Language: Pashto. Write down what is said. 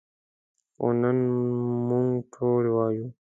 خو نن موږ ټول وایو.